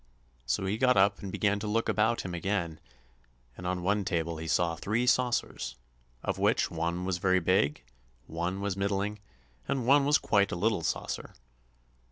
So he got up and began to look about him again, and on one table he saw three saucers, of which one was very big, one was middling, and one was quite a little saucer.